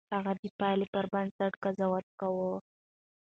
هغه د پايلې پر بنسټ قضاوت کاوه.